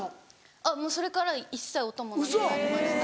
あっもうそれから一切音もなくなりました。